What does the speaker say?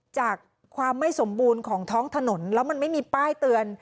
จากความไม่สมบูรณ์ของท้องถนนแล้วมันไม่มีป้ายเตือน